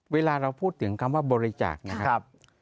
เวลาเราพูดถึงคำว่าบริจาคนะครับ